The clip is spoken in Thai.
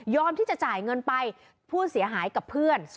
ที่จะจ่ายเงินไปผู้เสียหายกับเพื่อน